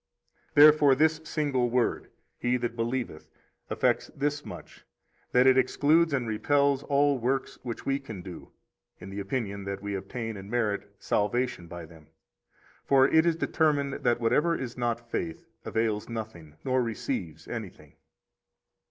Therefore this single word (He that believeth) effects this much that it excludes and repels all works which we can do, in the opinion that we obtain and merit salvation by them. For it is determined that whatever is not faith avails nothing nor receives anything.